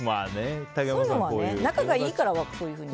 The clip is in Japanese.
そういうのは仲がいいからそういうふうに。